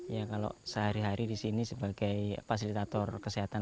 ya kalau sehari hari di sini sebagai fasilitator kesehatan